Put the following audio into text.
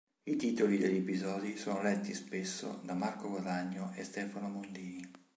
I titoli degli episodi sono letti spesso da Marco Guadagno e Stefano Mondini.